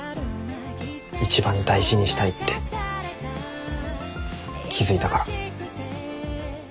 一番大事にしたいって気付いたから。